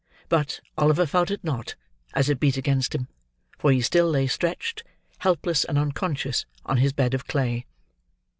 But, Oliver felt it not, as it beat against him; for he still lay stretched, helpless and unconscious, on his bed of clay.